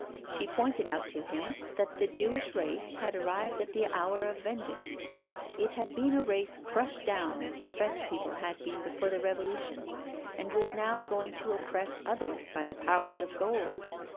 She pointed out to him that the Jewish race had arrived at the hour of vengeance. It had been a race crushed down as the French people had been before the Revolution, and was now going to oppress others by the power of gold.